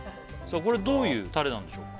これどういうタレなんでしょうか